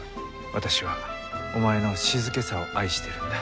私はお前の静けさを愛してるんだ。